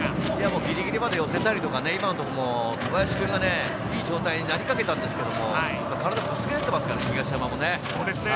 ギリギリまで寄せたりとか、今のところも小林君がいい状態になりかけたんですけれど、体をぶつけ合ってますからね、東山も。